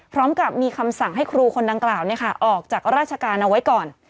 พร้อมกับมีคำสั่งให้ครูคนดังกล่าวออกจากราชการเอาไว้ก่อน